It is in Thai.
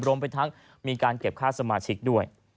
รวมไปทั้งมีการเก็บค่าสมาชิกด้วย